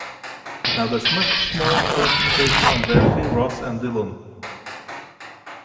Now there's much more concentration on Verity, Ros and Dylan.